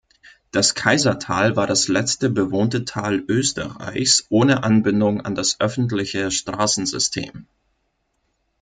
Das Kaisertal war das letzte bewohnte Tal Österreichs ohne Anbindung an das öffentliche Straßensystem.